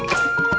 ya di atas